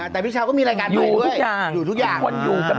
แต่พี่เช้าก็มีรายการใหม่ด้วยอยู่ทุกอย่างมันอยู่กันหมดนั่นแหละอยู่ทุกอย่าง